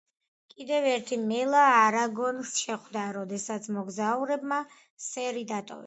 კიდევ ერთი მელა არაგორნს შეხვდა, როდესაც მოგზაურებმა სერი დატოვეს.